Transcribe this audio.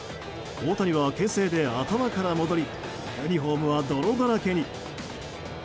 大谷は牽制で頭から戻りユニホームは泥だらけに。